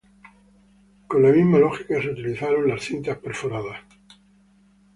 Con la misma lógica se utilizaron las cintas perforadas.